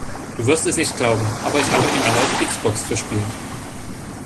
Du wirst es nicht glauben, aber ich habe ihm erlaubt X-Box zu spielen.